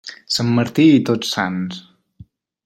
Sant Martí i Tots Sants.